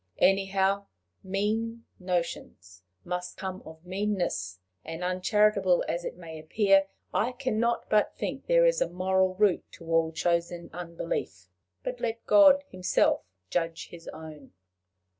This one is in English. Anyhow, mean notions must come of meanness, and, uncharitable as it may appear, I can not but think there is a moral root to all chosen unbelief. But let God himself judge his own.